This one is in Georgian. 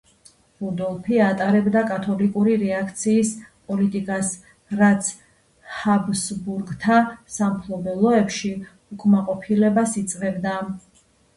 რუდოლფი ატარებდა კათოლიკური რეაქციის პოლიტიკას, რაც ჰაბსბურგთა სამფლობელოებში უკმაყოფილებას იწვევდა.